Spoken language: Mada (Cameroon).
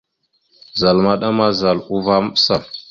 Zal maɗa ma, zal uvah maɓəsa.